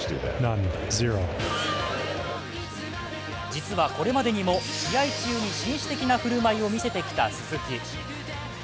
実はこれまでにも試合中に紳士的な振る舞いを見せてきた鈴木。